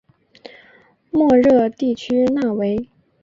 莫热地区讷维。